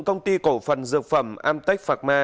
công ty cổ phần dược phẩm amtech pharma